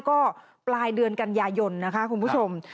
ก็ปลายเดือนกันยายนนะคะคุณผู้ชม